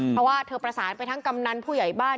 เพราะว่าเธอประสานไปทั้งกำนันผู้ใหญ่บ้าน